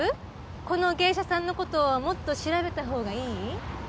この芸者さんの事をもっと調べた方がいい？